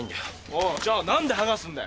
おいじゃあ何ではがすんだよ？